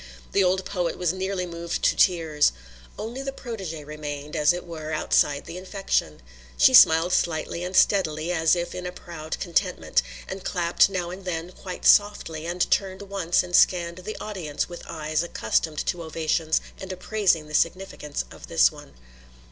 The old poet was nearly moved to tears. Only the protégée remained, as it were, outside the infection. She smiled slightly and steadily, as if in a proud contentment, and clapped now and then quite softly, and she turned once and scanned the audience with eyes accustomed to ovations and appraising the significance of this one.